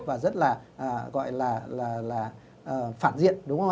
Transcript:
và rất là gọi là phản diện đúng không ạ